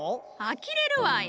あきれるわい。